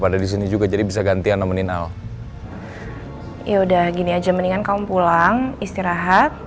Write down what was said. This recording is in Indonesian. pada disini juga jadi bisa gantian nemenin al ya udah gini aja mendingan kamu pulang istirahat